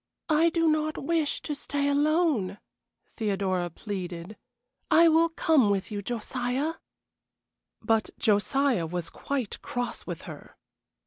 "I do not wish to stay alone," Theodora pleaded. "I will come with you, Josiah." But Josiah was quite cross with her.